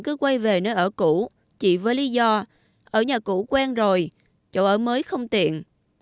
cứ quay về nơi ở cũ chỉ với lý do ở nhà cũ quen rồi chỗ ở mới không tiện